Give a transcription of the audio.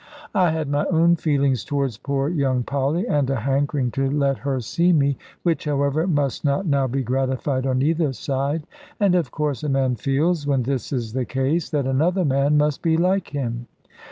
I had my own feelings towards poor young Polly, and a hankering to let her see me (which, however, must not now be gratified on either side), and of course a man feels, when this is the case, that another man must be like him.